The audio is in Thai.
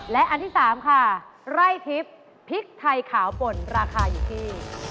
และอันที่๓ค่ะไร่ทิพย์พริกไทยขาวป่นราคาอยู่ที่